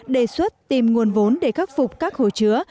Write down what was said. đề xuất tìm nguồn vốn để khắc phục các hồ chứa